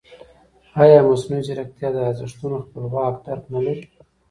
ایا مصنوعي ځیرکتیا د ارزښتونو خپلواک درک نه لري؟